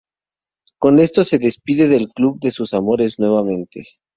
Con esto se despide del club de sus amores nuevamente.